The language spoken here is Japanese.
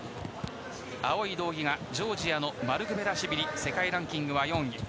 青い道着がジョージアのマルクベラシュビリ世界ランキングは４位。